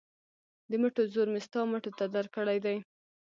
د مټو زور مې ستا مټو ته درکړی دی.